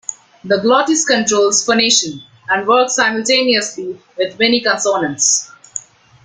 The glottis controls phonation, and works simultaneously with many consonants.